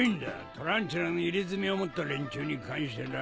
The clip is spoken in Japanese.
タランチュラの入れ墨を持った連中に関してだよ。